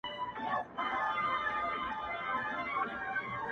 کيږي او ژورېږي,